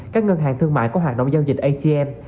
các ngân hàng thương mại có hoạt động giao dịch atm